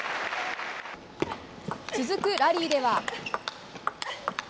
続くラリーでは。